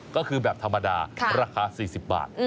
ก็คือแบบธรรมดาราคา๔๐บาท